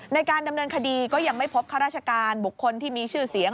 ในการดำเนินคดีก็ยังไม่พบข้าราชการบุคคลที่มีชื่อเสียง